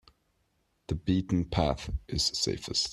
The beaten path is safest.